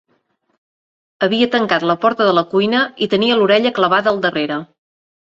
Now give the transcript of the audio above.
Havia tancat la porta de la cuina i tenia l'orella clavada al darrere.